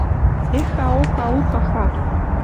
Эха-оха-уха-ха!